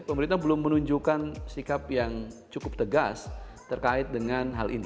pemerintah belum menunjukkan sikap yang cukup tegas terkait dengan hal ini